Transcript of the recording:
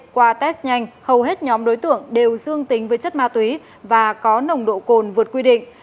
qua test nhanh hầu hết nhóm đối tượng đều dương tính với chất ma túy và có nồng độ cồn vượt quy định